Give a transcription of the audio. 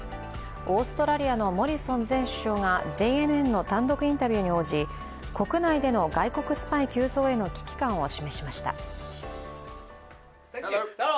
オーストラリアのモリソン前首相がＪＮＮの単独インタビューに応じ国内での外国スパイ急増への危機感を示しました。